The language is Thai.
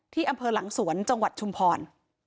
ที่อำเภอหลังสวนจังหวัดชุมพร